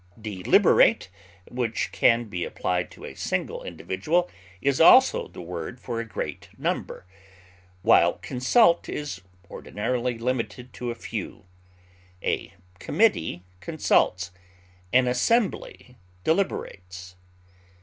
Deliberate, which can be applied to a single individual, is also the word for a great number, while consult is ordinarily limited to a few; a committee consults; an assembly deliberates.